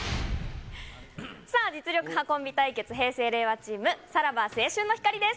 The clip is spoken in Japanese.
さあ、実力派コンビ対決、平成・令和チーム、さらば青春の光です。